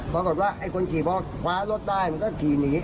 ปรากฎว่าคนขี่แทนลดได้ก็ขี่หนี